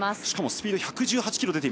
しかもスピード１１８キロ。